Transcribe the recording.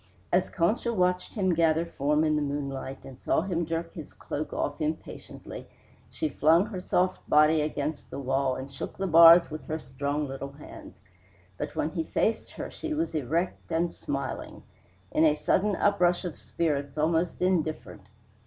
As Concha watched him gather form in the moonlight and saw him jerk his cloak off impatiently, she flung her soft body against the wall and shook the bars with her strong little hands. But when he faced her she was erect and smiling; in a sudden uprush of spirits, almost indifferent.